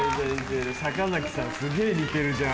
坂崎さんすげぇ似てるじゃん。